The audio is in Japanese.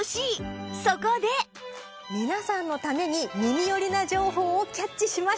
皆さんのために耳寄りな情報をキャッチしました。